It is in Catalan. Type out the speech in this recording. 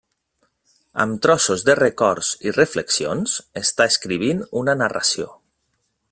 Amb trossos de records i reflexions, està escrivint una narració.